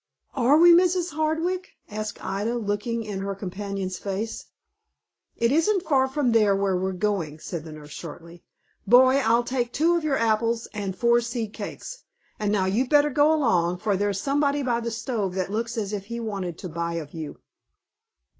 "Are we, Mrs. Hardwick?" asked Ida, looking in her companion's face. "It isn't far from there where we're going," said the nurse, shortly. "Boy, I'll take two of your apples and four seed cakes. And now you'd better go along, for there's somebody by the stove that looks as if he wanted to buy of you."